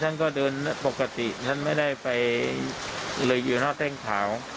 ฉันก็เดินปกติฉันไม่ได้ไปเลยอยู่นอกเต้นแครา